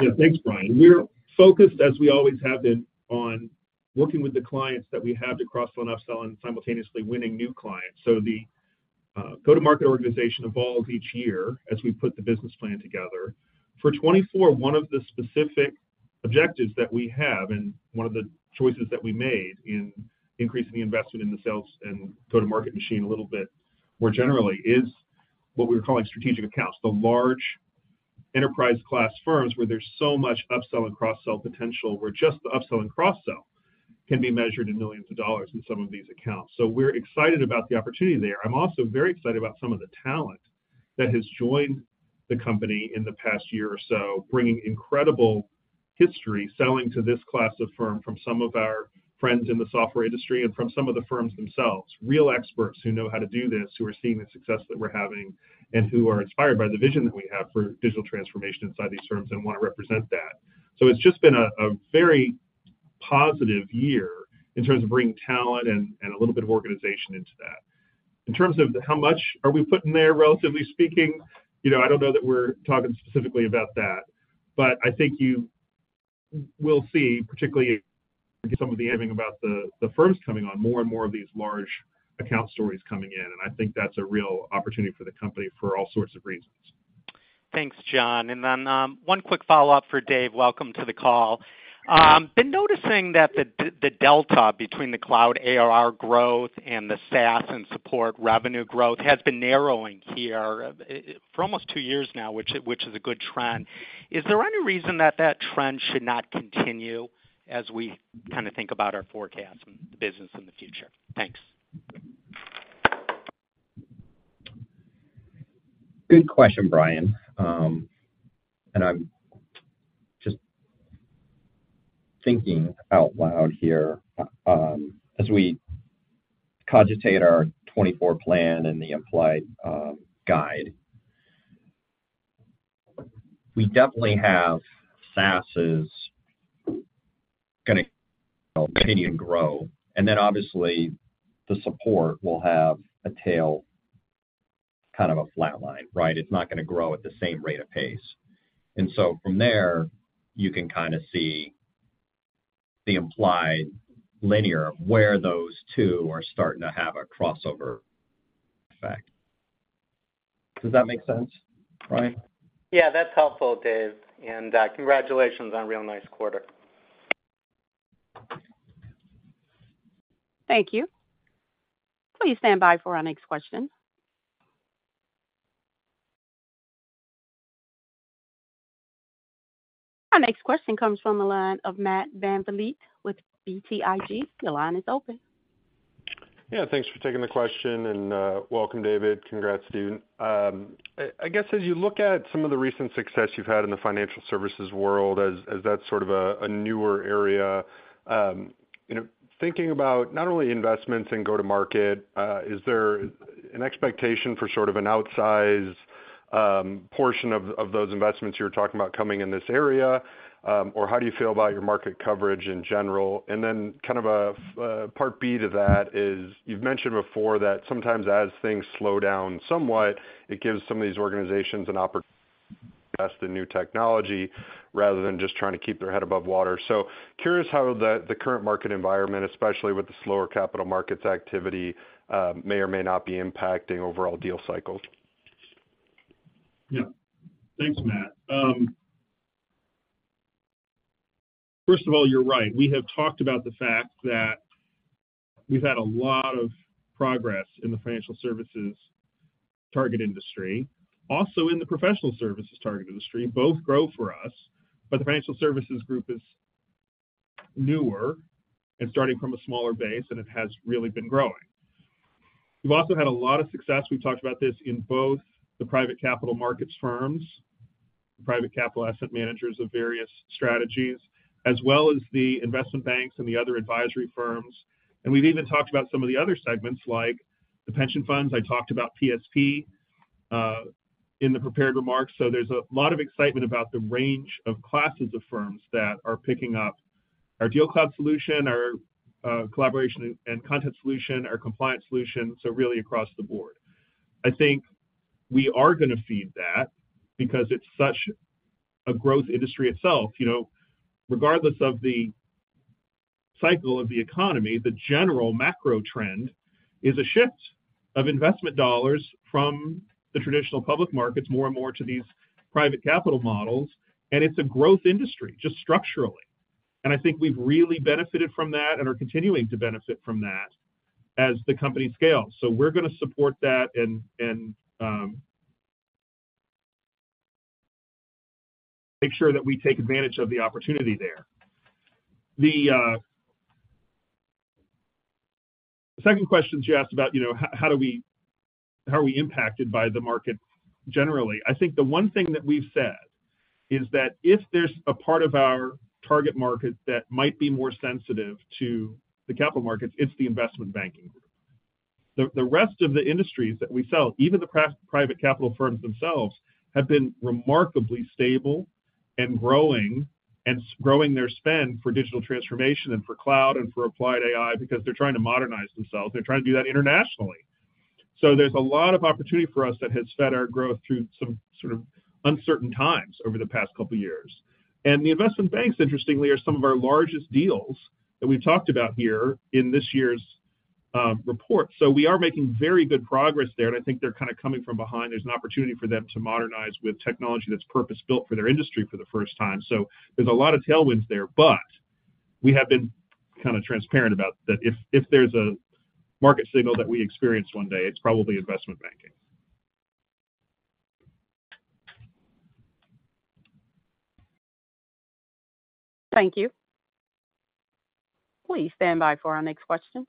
Yeah. Thanks, Brian. We're focused, as we always have been, on working with the clients that we have to cross-sell and up-sell and simultaneously winning new clients. So the, go-to-market organization evolves each year as we put the business plan together. For 2024, one of the specific objectives that we have, and one of the choices that we made in increasing the investment in the sales and go-to-market machine a little bit more generally, is what we're calling strategic accounts. The large enterprise-class firms where there's so much up-sell and cross-sell potential, where just the up-sell and cross-sell can be measured in $ millions in some of these accounts. So we're excited about the opportunity there. I'm also very excited about some of the talent that has joined the company in the past year or so, bringing incredible history, selling to this class of firm from some of our friends in the software industry and from some of the firms themselves. Real experts who know how to do this, who are seeing the success that we're having and who are inspired by the vision that we have for digital transformation inside these firms and want to represent that. So it's just been a very positive year in terms of bringing talent and a little bit of organization into that. In terms of how much are we putting there, relatively speaking, you know, I don't know that we're talking specifically about that, but I think you will see, particularly some of the firms coming on, more and more of these large account stories coming in, and I think that's a real opportunity for the company for all sorts of reasons. Thanks, John. And then, one quick follow-up for Dave. Welcome to the call. Been noticing that the delta between the Cloud ARR growth and the SaaS and support revenue growth has been narrowing here, for almost two years now, which is a good trend. Is there any reason that trend should not continue as we kind of think about our forecast and the business in the future? Thanks. Good question, Brian. I'm just thinking out loud here. As we cogitate our 2024 plan and the implied guide, we definitely have SaaS is gonna continue to grow. Then obviously, the support will have a tail, kind of a flat line, right? It's not gonna grow at the same rate of pace. So from there, you can kind of see the implied linear, where those two are starting to have a crossover effect. Does that make sense, Brian? Yeah, that's helpful, Dave, and, congratulations on a real nice quarter. Thank you. Please stand by for our next question. Our next question comes from the line of Matt VanVliet with BTIG. Your line is open. Yeah, thanks for taking the question, and welcome, David. Congrats, Steve. I guess as you look at some of the recent success you've had in the financial services world, as that's sort of a newer area, you know, thinking about not only investments and go-to-market, is there an expectation for sort of an outsized portion of those investments you're talking about coming in this area? Or how do you feel about your market coverage in general? And then kind of a part B to that is, you've mentioned before that sometimes as things slow down somewhat, it gives some of these organizations an opportunity to invest in new technology rather than just trying to keep their head above water. Curious how the current market environment, especially with the slower capital markets activity, may or may not be impacting overall deal cycles. Yeah. Thanks, Matt. First of all, you're right. We have talked about the fact that we've had a lot of progress in the financial services target industry, also in the professional services target industry. Both grow for us, but the financial services group is newer and starting from a smaller base, and it has really been growing. We've also had a lot of success, we've talked about this, in both the private capital markets firms, private capital asset managers of various strategies, as well as the investment banks and the other advisory firms. We've even talked about some of the other segments, like the pension funds. I talked about PSP in the prepared remarks. So there's a lot of excitement about the range of classes of firms that are picking up our DealCloud solution, our Collaboration & Content solution, our Compliance solution, so really across the board. I think we are gonna see that because it's such a growth industry itself. You know, regardless of the cycle of the economy, the general macro trend is a shift of investment dollars from the traditional public markets, more and more to these private capital models, and it's a growth industry, just structurally. I think we've really benefited from that and are continuing to benefit from that as the company scales. So we're gonna support that and make sure that we take advantage of the opportunity there. The second question you asked about, you know, how are we impacted by the market generally? I think the one thing that we've said is that if there's a part of our target market that might be more sensitive to the capital markets, it's the investment banking group. The rest of the industries that we sell, even the private capital firms themselves, have been remarkably stable and growing, and growing their spend for digital transformation and for cloud and for Applied AI because they're trying to modernize themselves. They're trying to do that internationally. So there's a lot of opportunity for us that has fed our growth through some sort of uncertain times over the past couple of years. And the investment banks, interestingly, are some of our largest deals that we've talked about here in this year's report. So we are making very good progress there, and I think they're kind of coming from behind. There's an opportunity for them to modernize with technology that's purpose-built for their industry for the first time. So there's a lot of tailwinds there, but we have been kind of transparent about that if there's a market signal that we experience one day, it's probably investment banking. Thank you. Please stand by for our next question.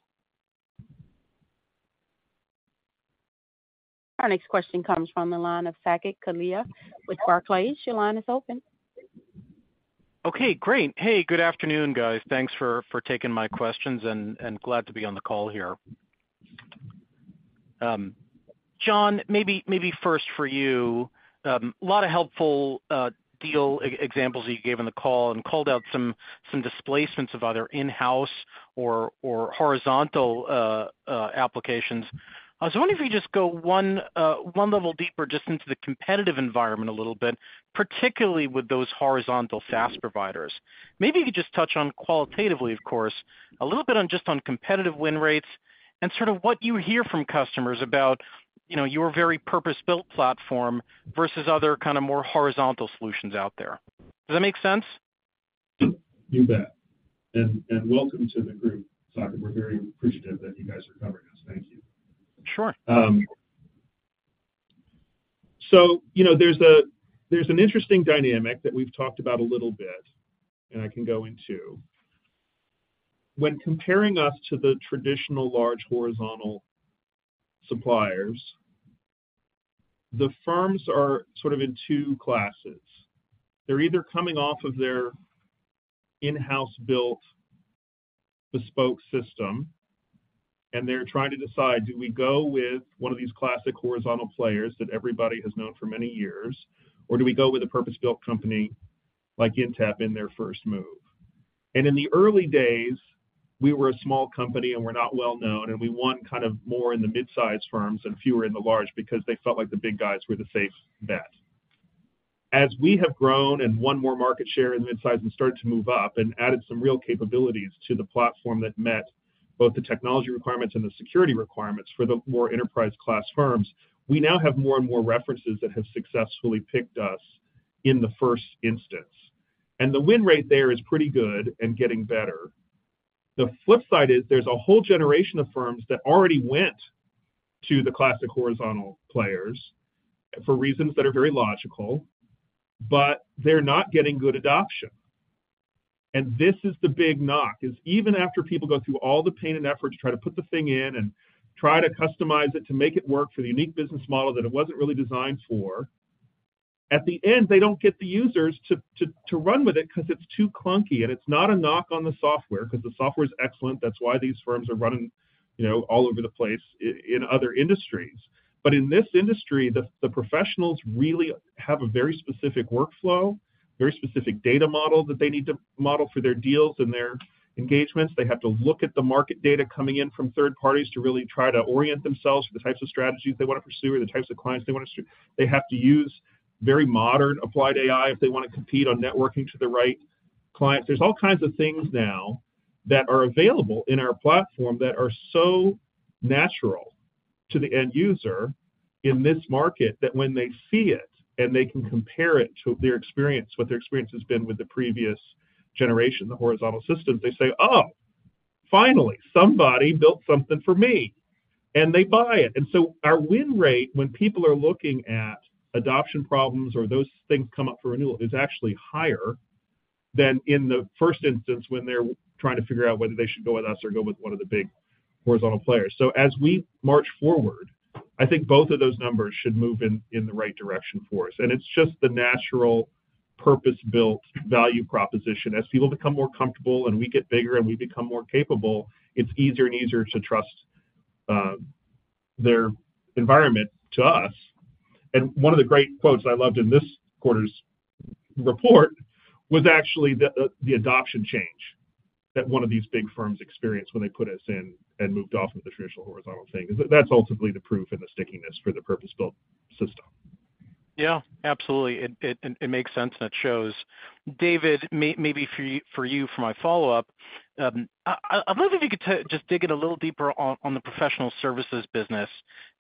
Our next question comes from the line of Saket Kalia with Barclays. Your line is open. Okay, great. Hey, good afternoon, guys. Thanks for taking my questions and glad to be on the call here. John, maybe first for you. A lot of helpful deal examples that you gave on the call and called out some displacements of other in-house or horizontal applications. I was wondering if you could just go one level deeper just into the competitive environment a little bit, particularly with those horizontal SaaS providers. Maybe you could just touch on qualitatively, of course, a little bit on just on competitive win rates and sort of what you hear from customers about, you know, your very purpose-built platform versus other kind of more horizontal solutions out there. Does that make sense? You bet. And welcome to the group, Saket. We're very appreciative that you guys are covering us. Thank you. Sure. So, you know, there's an interesting dynamic that we've talked about a little bit, and I can go into. When comparing us to the traditional large horizontal suppliers, the firms are sort of in two classes. They're either coming off of their in-house built, bespoke system, and they're trying to decide, do we go with one of these classic horizontal players that everybody has known for many years, or do we go with a purpose-built company like Intapp in their first move? In the early days, we were a small company, and we're not well known, and we won kind of more in the mid-size firms and fewer in the large because they felt like the big guys were the safe bet. As we have grown and won more market share in the midsize and started to move up and added some real capabilities to the platform that met both the technology requirements and the security requirements for the more enterprise-class firms, we now have more and more references that have successfully picked us in the first instance. The win rate there is pretty good and getting better. The flip side is there's a whole generation of firms that already went to the classic horizontal players for reasons that are very logical, but they're not getting good adoption. This is the big knock, is even after people go through all the pain and effort to try to put the thing in and try to customize it to make it work for the unique business model that it wasn't really designed for, at the end, they don't get the users to run with it because it's too clunky. And it's not a knock on the software, because the software is excellent. That's why these firms are running, you know, all over the place in other industries. But in this industry, the professionals really have a very specific workflow, very specific data model that they need to model for their deals and their engagements. They have to look at the market data coming in from third parties to really try to orient themselves to the types of strategies they want to pursue or the types of clients they want to pursue. They have to use very modern Applied AI if they want to compete on networking to the right clients. There's all kinds of things now that are available in our platform that are so natural to the end user in this market, that when they see it, and they can compare it to their experience, what their experience has been with the previous generation, the horizontal systems, they say, "Oh, finally, somebody built something for me," and they buy it. And so our win rate when people are looking at adoption problems or those things come up for renewal, is actually higher than in the first instance when they're trying to figure out whether they should go with us or go with one of the big horizontal players. So as we march forward, I think both of those numbers should move in, in the right direction for us. And it's just the natural purpose-built value proposition. As people become more comfortable and we get bigger and we become more capable, it's easier and easier to trust their environment to us. And one of the great quotes I loved in this quarter's report was actually the adoption change that one of these big firms experienced when they put us in and moved off of the traditional horizontal thing. That's ultimately the proof in the stickiness for the purpose-built system. Yeah, absolutely. It makes sense, and it shows. David, maybe for you, for my follow-up, I wonder if you could just dig in a little deeper on the professional services business.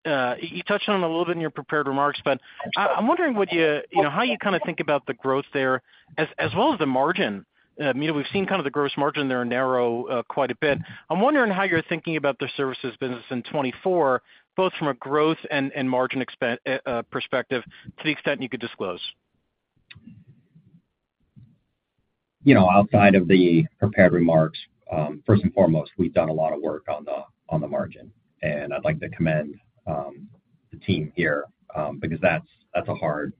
You touched on it a little bit in your prepared remarks, but I'm wondering, would you... You know, how you think about the growth there as well as the margin? You know, we've seen kind of the gross margin there narrow quite a bit. I'm wondering how you're thinking about the services business in 2024, both from a growth and margin expansion perspective, to the extent you could disclose. You know, outside of the prepared remarks, first and foremost, we've done a lot of work on the, on the margin, and I'd like to commend the team here because that's, that's a hard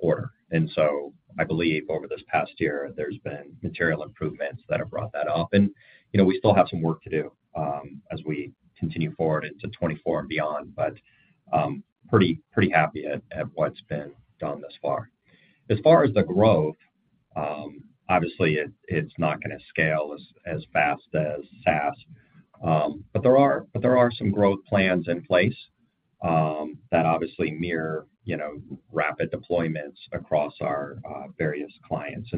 order. And so I believe over this past year, there's been material improvements that have brought that up. And, you know, we still have some work to do as we continue forward into 2024 and beyond, but pretty, pretty happy at, at what's been done thus far. As far as the growth, obviously, it, it's not gonna scale as, as fast as SaaS. But there are, but there are some growth plans in place that obviously mirror, you know, rapid deployments across our various clients.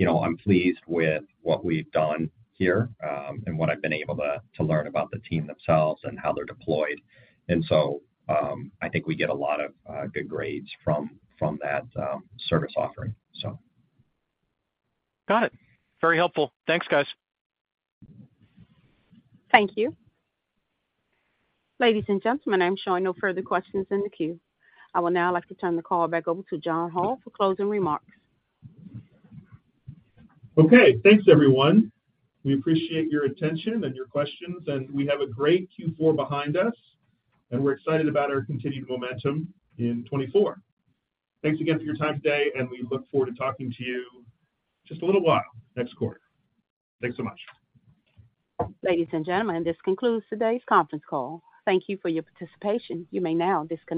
You know, I'm pleased with what we've done here and what I've been able to learn about the team themselves and how they're deployed. I think we get a lot of good grades from that service offering, so. Got it. Very helpful. Thanks, guys. Thank you. Ladies and gentlemen, I'm showing no further questions in the queue. I will now like to turn the call back over to John Hall for closing remarks. Okay. Thanks, everyone. We appreciate your attention and your questions, and we have a great Q4 behind us, and we're excited about our continued momentum in 2024. Thanks again for your time today, and we look forward to talking to you just a little while next quarter. Thanks so much. Ladies and gentlemen, this concludes today's conference call. Thank you for your participation. You may now disconnect.